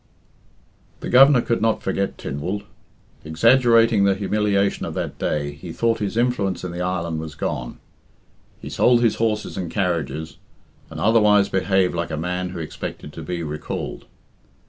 The Governor could not forget Tynwald. Exaggerating the humiliation of that day, he thought his influence in the island was gone. He sold his horses and carriages, and otherwise behaved like a man who expected to be recalled.